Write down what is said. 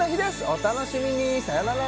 お楽しみにさよなら